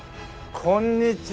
こんにちは。